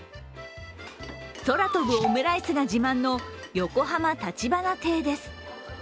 空飛ぶオムライスが自慢の横濱たちばな亭です。